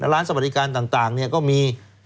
ร้านสวัสดิการต่างก็มี